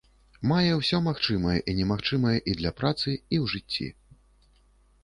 Мае ўсё магчымае і немагчымае і для працы, і ў жыцці.